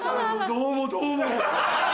どうもどうも。